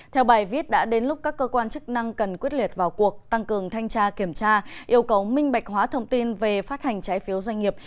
theo bài viết đã đến lúc các cơ quan chức năng cần quyết liệt vào cuộc tăng cường thanh tra kiểm tra yêu cầu minh bạch hóa thông tin về phát hành trái phiếu doanh nghiệp